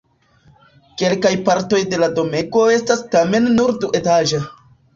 Kelkaj partoj de la domego estas tamen nur duetaĝa.